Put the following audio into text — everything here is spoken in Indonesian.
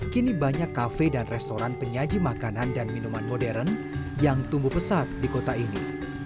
kini banyak kafe dan restoran penyaji makanan dan minuman modern yang tumbuh pesat di kota ini